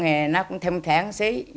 thì nó cũng thêm thẻ một xí